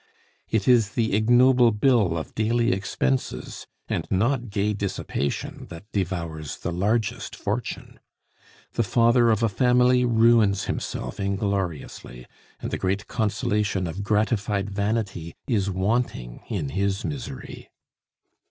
It is the ignoble bill of daily expenses and not gay dissipation that devours the largest fortune. The father of a family ruins himself ingloriously, and the great consolation of gratified vanity is wanting in his misery.